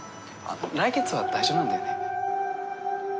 来月は大丈夫なんだよね？